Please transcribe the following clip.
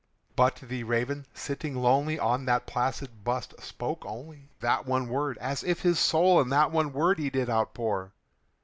But the Raven, sitting lonely on that placid bust, spoke only That one word, as if his soul in that one word he did outpour.